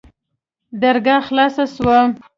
درګاه خلاصه سوه.